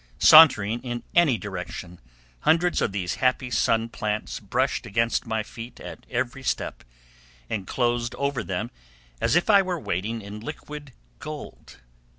Sauntering in any direction, hundreds of these happy sun plants brushed against my feet at every step, and closed over them as if I were wading in liquid gold.